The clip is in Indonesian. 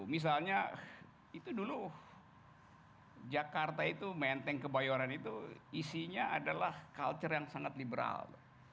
misalnya itu dulu jakarta itu menteng kebayoran itu isinya adalah culture yang sangat liberal